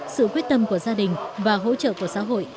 sự quyết tâm của gia đình và hỗ trợ của xã hội